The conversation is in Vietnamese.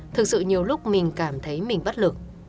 thực sự nhiều lúc mình cảm thấy mình bất lực